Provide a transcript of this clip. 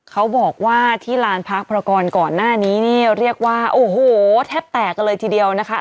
เขาบอกว่าที่ลานพรากรก่อนหน้านี้เรียกว่าแทบแตกเลยทีเดียวนะคะ